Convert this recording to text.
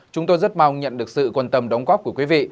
chúng tôi rất mong nhận được sự quan tâm đóng góp của quý vị